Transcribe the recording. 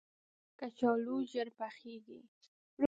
کچالو ژر پخیږي